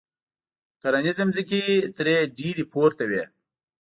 کرنیزې ځمکې ترې ډېرې پورته وې.